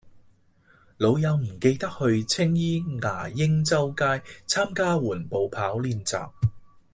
老友唔記得去青衣牙鷹洲街參加緩步跑練習